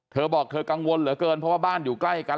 เธอบอกเธอกังวลเหลือเกินเพราะว่าบ้านอยู่ใกล้กัน